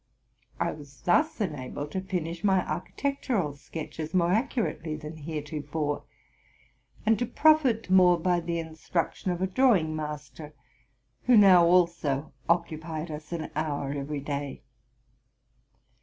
I was thus enabled to finish my architectural sketches more accurately than heretofore, and to profit more by the instruction of a draw ing master, who now also occupied us an hour every day.